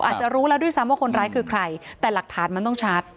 อาจจะรู้แล้วด้วยซ้ำว่าคนร้ายคือใครแต่หลักฐานมันต้องชัด